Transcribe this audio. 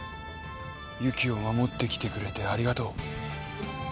由岐を守ってきてくれてありがとう。